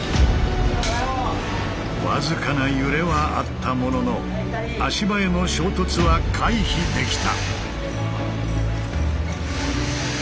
僅かな揺れはあったものの足場への衝突は回避できた。